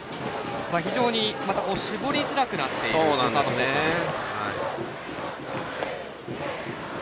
非常に絞りづらくなっているということです。